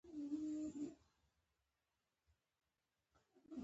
د اتلانو افسانه د صبر او حوصلې سبق لري.